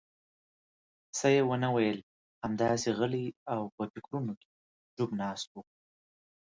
څه یې ونه ویل، همداسې غلی او په فکرونو کې ډوب ناست و.